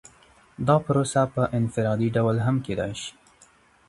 دا پروسه په انفرادي ډول هم کیدای شي.